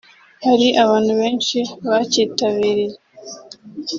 hari abantu benshi bacyitabiriye